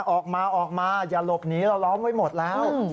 ออกมาออกมาอย่าหลบหนีเราล้อมไว้หมดแล้ว